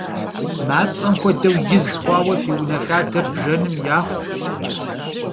Mats'em xuedeu, yiz xhuaue fi vune xader bjjenım yaxhu!